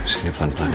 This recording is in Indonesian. sini pelan pelan ya